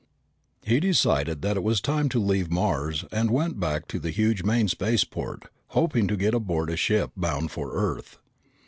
He decided that it was time to leave Mars and went to the huge main spaceport, hoping to get aboard a ship bound for Earth.